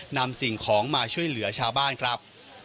นำสิ่งของมาช่วยเหลือชาวบ้านครับ